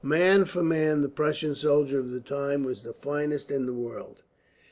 Man for man, the Prussian soldier of the time was the finest in the world.